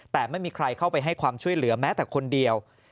แต่ไม่มีใครเข้าไปให้ความช่วยเหลือแม้แต่คนเดียว